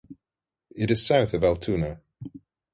It is south of Altoona.